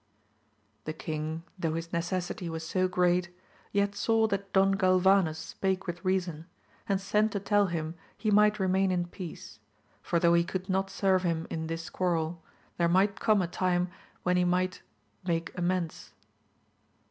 The VOL. in, 10 146 AMADIS OF GAUL king though his necessity was so great, yet saw that Don Galvanes spake with reason, and sent to tell him he might remain in peace, for though he could not serve him in this quarrel, there might come a time when he might make amends.